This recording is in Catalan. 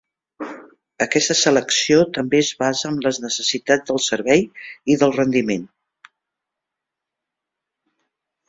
Aquesta selecció també es basa en les necessitats del servei i del rendiment.